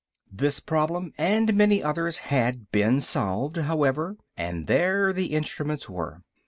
This problem and many others had been solved, however, and there the instruments were.